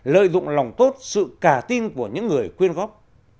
lợi dụng lòng tốt sự cả tin của những người quyên góp